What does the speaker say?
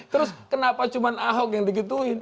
terus kenapa cuma ahok yang digituin